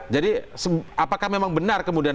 jadi apakah memang benar kemudian